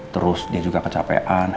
terus dia juga kecapean